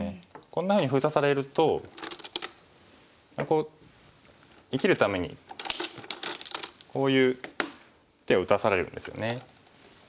こんなふうに封鎖されるとこう生きるためにこういう手を打たされるんですよね。